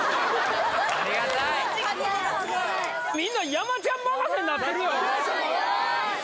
みんな山ちゃん任せになってるよ